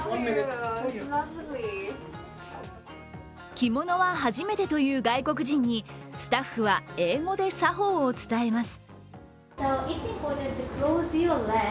着物は初めてという外国人にスタッフは英語で作法を伝えます。